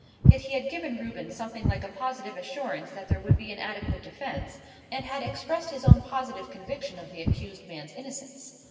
Yet he had given Reuben something like a positive assurance that there would be an adequate defence, and had expressed his own positive conviction of the accused man's innocence.